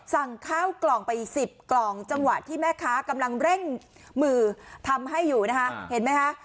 สั่งข้าวกล่องไป๑๐กล่องจังหวะที่แม่ค้ากำลังเร่งมือทำให้อยู่นะคะเห็นไหมคะ